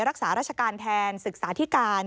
รักษาราชการแทนศึกษาธิการ